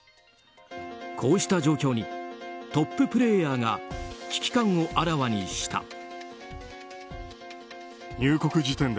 こうした状況にトッププレーヤーが危機感をあらわにした。